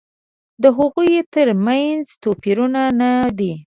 د هغوی تر منځ توپیرونه نه دي.